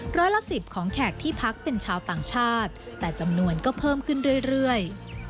ร้อยละ๑๐ของแขกที่พักเป็นชาวต่างชาติแต่จำนวนก็เพิ่มขึ้นเรื่อย